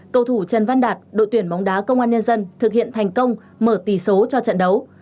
cầu thủ trần văn đạt đội tuyển bóng đá công an nhân dân thực hiện thành công mở tỷ số cho trận đấu